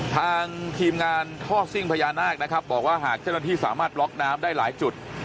ทางทีมงานท่อซิ่งพญานาคนะครับบอกว่าหากเจ้าหน้าที่สามารถบล็อกน้ำได้หลายจุด